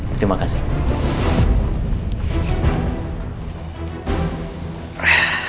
terima kasih pak